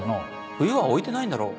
冬は置いてないんだろう。